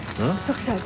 徳さん